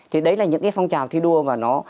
thì đấy là những cái phong trào thi đua mà nó